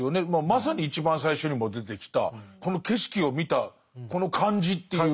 まさに一番最初にも出てきたこの景色を見たこの感じという。